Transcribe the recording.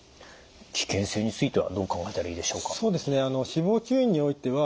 危険性についてはどう考えたらいいでしょうか？